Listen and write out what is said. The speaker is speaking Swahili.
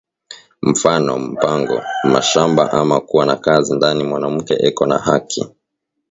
Mfano mpango, mashamba ama kuwa na kazi ndani mwanamuke eko na haki